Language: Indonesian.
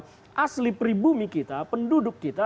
yang asli pribumi kita penduduk kita